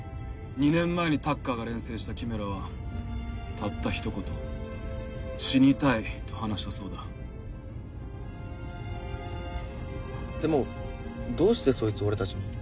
２年前にタッカーが錬成したキメラはたったひと言「死にたい」と話したそうだでもどうしてそいつを俺達に？